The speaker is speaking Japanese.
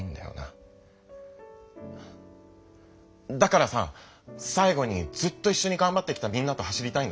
だからさ最後にずっといっしょにがんばってきたみんなと走りたいんだ！